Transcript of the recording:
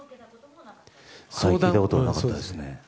聞いたこともなかったです。